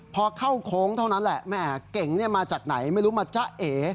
พอเข้าโค้งเท่านั้นแหละแม่เก่งมาจากไหนไม่รู้มาจ๊ะเอ